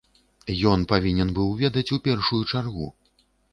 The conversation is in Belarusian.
Ён павінен быў ведаць у першую чаргу.